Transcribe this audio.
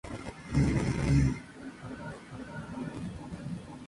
Algo que se nota en la parrilla.